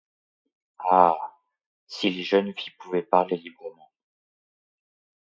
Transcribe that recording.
Ah ! si les jeunes filles pouvaient parler librement…